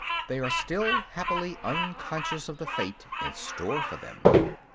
They are still happily unconscious of the fate in store for them.